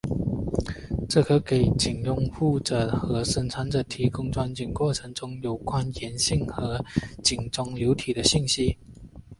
这可给井拥有者和生产者提供在钻井过程中有关岩性和井中流体的信息。